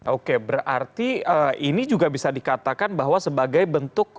oke berarti ini juga bisa dikatakan bahwa sebagai bentuk